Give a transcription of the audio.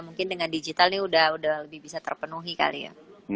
mungkin dengan digital ini udah lebih bisa terpenuhi kali ya